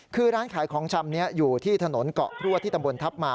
คือร้านขายของชำนี้อยู่ที่ถนนเกาะพรัวที่ตำบลทัพมา